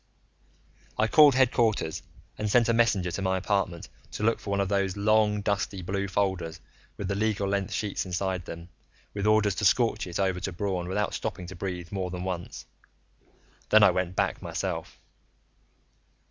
I called headquarters and sent a messenger to my apartment to look for one of those long dusty blue folders with the legal length sheets inside them, with orders to scorch it over to Braun without stopping to breathe more than once. Then I went back myself.